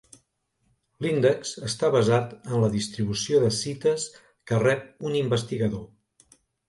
L'índex està basat en la distribució de cites que rep un investigador.